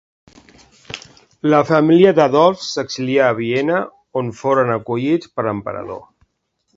La família d'Adolf s'exilià a Viena on foren acollits per l'emperador.